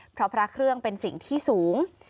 เพราะพระเครื่องเป็นสิ่งที่สูง